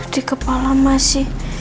di kepala masih